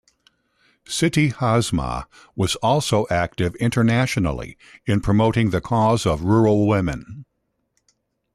Siti Hasmah was also active internationally in promoting the cause of rural women.